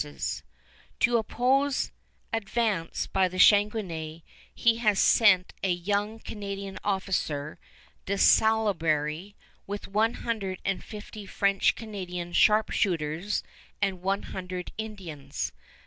[Illustration: DE SALABERRY] To oppose advance by the Chateauguay he has sent a young Canadian officer, De Salaberry, with one hundred and fifty French Canadian sharp shooters and one hundred Indians.